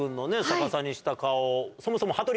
逆さにした顔そもそも。